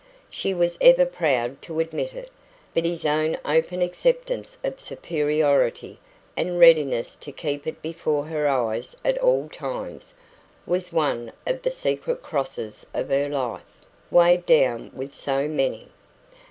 She was ever proud to admit it; but his own open acceptance of superiority, and readiness to keep it before her eyes at all times, was one of the secret crosses of her life, weighed down with so many.